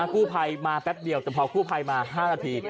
กู้ภัยมาแป๊บเดียวแต่พอกู้ภัยมา๕นาที